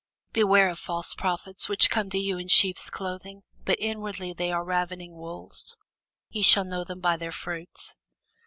Beware of false prophets, which come to you in sheep's clothing, but inwardly they are ravening wolves. Ye shall know them by their fruits.